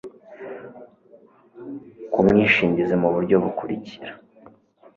k umwishingizi mu buryo bukurikira